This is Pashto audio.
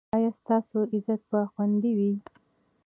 ایا ستاسو عزت به خوندي وي؟